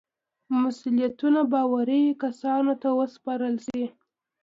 مسئولیتونه باوري کسانو ته وسپارل شي.